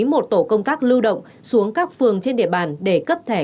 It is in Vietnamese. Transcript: một tổ công tác lưu động xuống các phường trên địa bàn để cấp thẻ